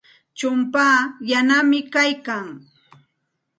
Chumpaa yanami kaykan.